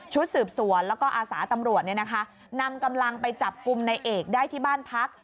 สืบสวนแล้วก็อาสาตำรวจนำกำลังไปจับกลุ่มในเอกได้ที่บ้านพัก